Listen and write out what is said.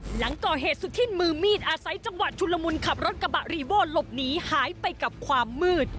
หลังก่อเหตุสุธินมือมีดอาศัยจังหวะชุนละมุนขับรถกระบะรีโว้หลบหนีหายไปกับความมืด